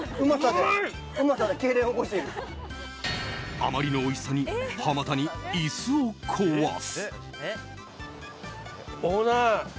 あまりのおいしさに浜谷、椅子を壊す。